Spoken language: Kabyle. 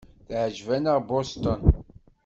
Teɛjeb-aneɣ Boston.